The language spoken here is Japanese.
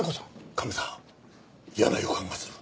カメさん嫌な予感がする。